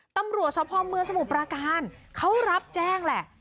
ตำรวจสภเมืองสมุทรปราการเขารับแจ้งแหละ